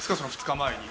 ２日前に。